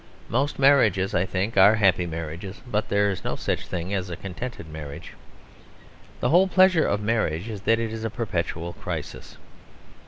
Most marriages, I think, are happy marriages; but there is no such thing as a contented marriage. The whole pleasure of marriage is that it is a perpetual crisis.